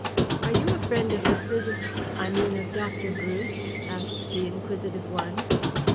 "Are you a friend of the prison , I mean of Dr. Bruce?" asked the inquisitive one.